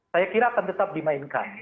saya kira akan tetap dimainkan